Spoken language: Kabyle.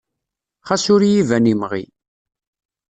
Xas ur i yi-ban imɣi.